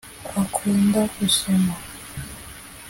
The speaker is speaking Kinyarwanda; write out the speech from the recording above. Akunda gusoma